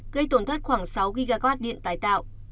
gây tổn thất khoảng sáu gigawatt điện tài tạo